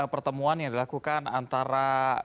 pertemuan yang dilakukan antara